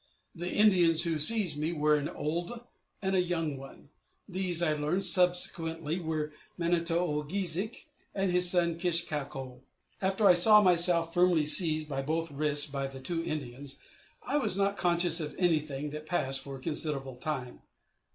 The Indians who seized me were an old and a young one; these, as I learned subsequently, were Manito o geezhik, and his son Kish kau ko. After I saw myself firmly seized by both wrists by the two Indians, I was not conscious of anything that passed for a considerable time.